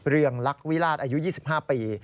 เรืองลักษวิราชอายุ๒๕ปี